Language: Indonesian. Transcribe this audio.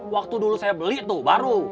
waktu dulu saya beli tuh baru